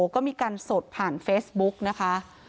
ก็มีการสดผ่านเฟซบุ๊กนะคะ